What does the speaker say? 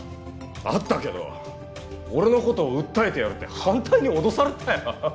会ったけど俺のことを訴えてやるって反対に脅されたよ。